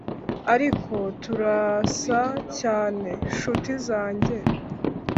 ariko turasa cyane, nshuti zanjye,